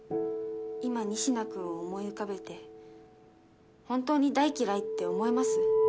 今仁科君を思い浮かべて本当に大嫌いって思えます？